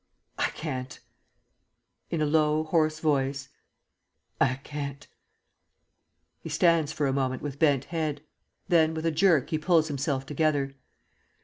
_) I can't. (In a low, hoarse voice) I can't! (_He stands for a moment with bent head; then with a jerk he pulls himself together.